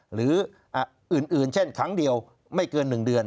หรืออื่นเช่นครั้งเดียวไม่เกิน๑เดือน